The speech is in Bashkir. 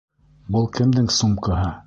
Был кемдең сумкаһы?